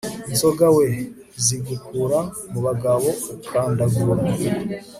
nzoga wee zigukura mu bagabo ukandavura